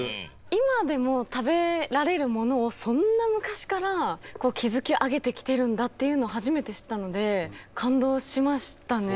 今でも食べられるものをそんな昔から築き上げてきてるんだっていうのを初めて知ったので感動しましたね。